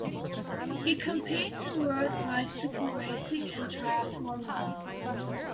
He competes in road bicycle racing and triathlon events.